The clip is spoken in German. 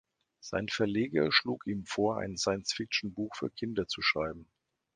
Sein Verleger schlug ihm vor, ein Science-Fiction-Buch für Kinder zu schreiben.